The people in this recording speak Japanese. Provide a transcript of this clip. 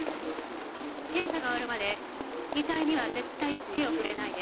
検査が終わるまで遺体には絶対手を触れないで。